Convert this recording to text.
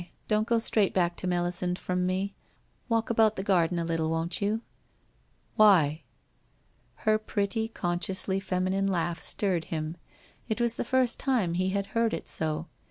Don't go straight back to Melisande from me. Walk about the garden a little, won't you? ' 'Why?' Her pretty, consciously feminine laugh stirred him. It was the first time he had heard it so.